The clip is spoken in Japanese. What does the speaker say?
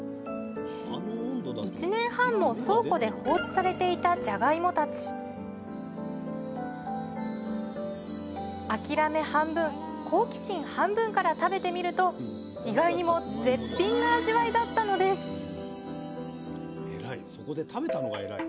１年半も倉庫で放置されていたじゃがいもたち諦め半分好奇心半分から食べてみると意外にも絶品の味わいだったのです偉い。